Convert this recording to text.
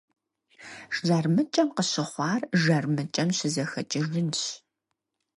ЖармыкӀэм къыщыхъуар жармыкӀэм щызэхэкӀыжынщ.